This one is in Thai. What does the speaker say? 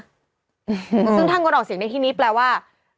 ซึ่งถ้างดออกเสียงในที่นี้แปลว่า